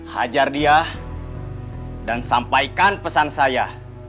hajar dia dan sampaikan pesan saya